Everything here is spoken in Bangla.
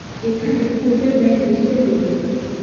এখানে পূর্বের ন্যায় বুঝিতে হইবে।